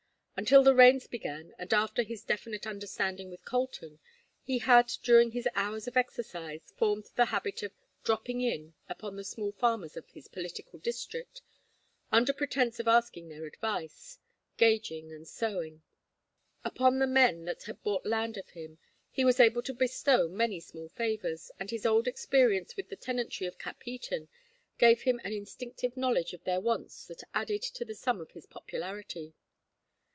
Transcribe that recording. Until the rains began, and after his definite understanding with Colton, he had, during his hours of exercise, formed the habit of "dropping in" upon the small farmers of his political district, under pretence of asking their advice; gauging and sowing. Upon the men that had bought land of him he was able to bestow many small favors, and his old experience with the tenantry of Capheaton gave him an instinctive knowledge of their wants that added to the sum of his popularity.